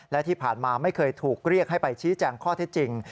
และที่ผ่านมาไม่เคยถูกเรียกให้ไปชี้แจงข้อเท็จจริง